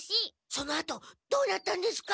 そのあとどうなったんですか？